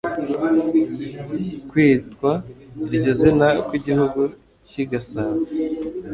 Kwitwa iryo zina kw'Igihugu cy'I Gasabo,